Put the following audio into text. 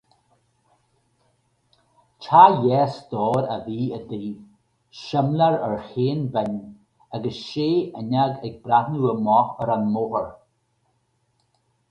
Teach dhá stór a bhí i tigh, simléar ar chaon bhinn agus sé fhuinneog ag breathnú amach ar an mbóthar.